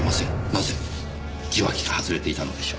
なぜ受話器が外れていたのでしょう？